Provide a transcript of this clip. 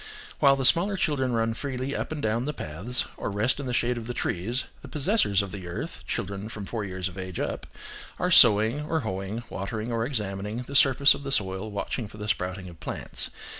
While the smaller children run freely up and down the paths, or rest in the shade of the trees, the possessors of the earth (children from four years of age up), are sowing, or hoeing, watering or examining, the surface of the soil watching for the sprouting of plants.